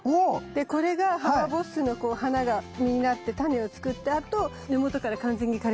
でこれがハマボッスの花が実になってタネを作ったあと根元から完全に枯れちゃってたの。